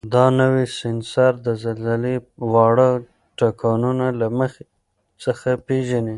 دا نوی سینسر د زلزلې واړه ټکانونه له مخکې څخه پېژني.